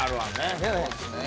そうですね。